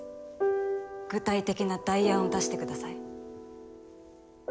具体的な代案を出してください。